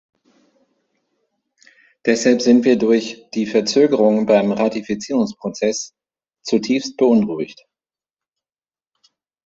Deshalb sind wir durch die Verzögerungen beim Ratifizierungsprozess zutiefst beunruhigt.